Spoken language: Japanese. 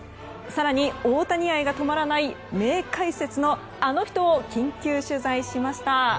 更に、大谷愛が止まらない名解説のあの人を緊急取材しました。